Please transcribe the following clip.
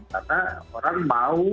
karena orang mau